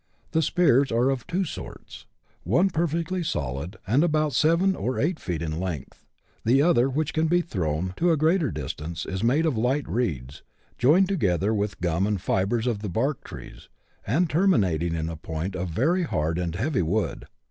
The spears are of two sorts : one perfectly solid, and about seven or eight feet in length ; the other, which can be thrown to a greater distance, is made of light reeds, joined together with gum and fibres of the bark of trees, and terminating in a point of very hard and heavy wood.